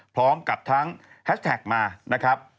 พร้อมกับทั้งแฮชแท็กมานะครับ